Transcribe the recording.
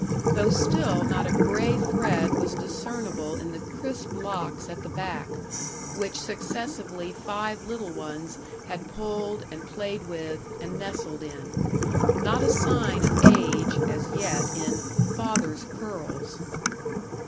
Though still not a grey thread was discernible in the crisp locks at the back, which successively five little ones had pulled, and played with, and nestled in; not a sign of age, as yet, in "father's curls."